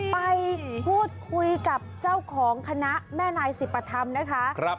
ไปพูดคุยกับเจ้าของคณะแม่นายสิบปธรรมนะคะ